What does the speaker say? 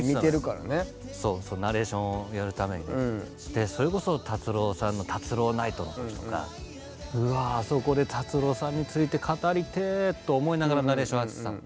でそれこそ達郎さんの「達郎ナイト」の時とか「うわあそこで達郎さんについて語りてえ」と思いながらナレーションやってたの。